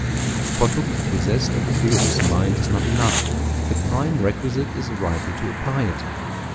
For to be possessed of a vigorous mind is not enough; the prime requisite is rightly to apply it.